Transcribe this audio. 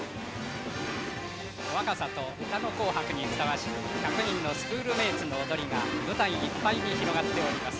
若さと歌の「紅白」にふさわしく１００人のスクール・メイツの踊りが舞台いっぱいに広がっております。